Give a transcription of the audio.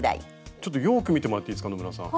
ちょっとよく見てもらっていいですか野村さん。